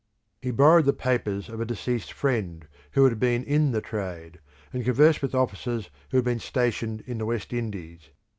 He borrowed the papers of a deceased friend who had been in the trade, and conversed with officers who had been stationed in the West Indies.